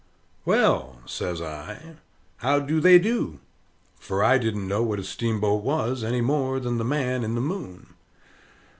"Well," says I, "how do they do?" for I didn't know what a steamboat was, any more than the man in the moon.